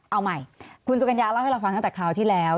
เอาใหม่คุณสุกัญญาเล่าให้เราฟังตั้งแต่คราวที่แล้ว